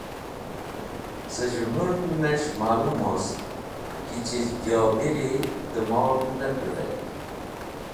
Cẽ z̃hemũrnẽnes̃h malum wost ki chiz jobiri dẽ mol ne pẽrvetk